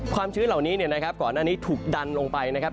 ความชื้นเหล่านี้ก่อนหน้านี้ถูกดันลงไปนะครับ